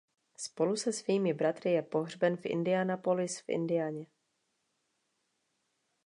Spolu se svými bratry je pohřben v Indianapolis v Indianě.